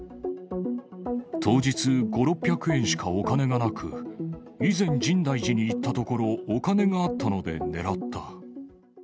当日、５、６００円しか、お金がなく、以前、深大寺に行ったところ、お金があったので、狙った。